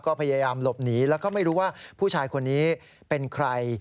ก็พยายามหลบหนีแล้วก็ไม่รู้ว่าผู้ชายคนนี้เป็นใคร